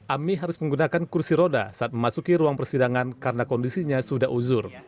ami harus menggunakan kursi roda saat memasuki ruang persidangan karena kondisinya sudah uzur